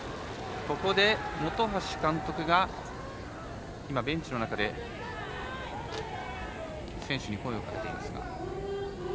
ここで本橋監督が今ベンチの中で選手に声を掛けていました。